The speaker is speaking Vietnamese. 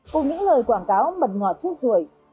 cùng những lời quảng cáo mật ngọt trước ruổi